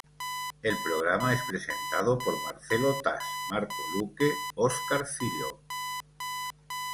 El programa es presentado por Marcelo Tas, Marco Luque, Oscar Filho.